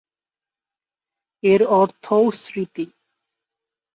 এর অর্থও স্মৃতি।